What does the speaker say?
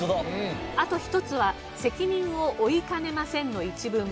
あと１つは「責任を負いかねません」の一文。